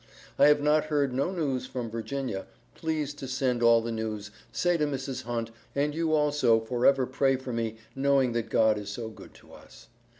i have not heard no news from Virgina. plese to send me all the news say to Mrs. Hunt an you also forever pray for me knowing that God is so good to us.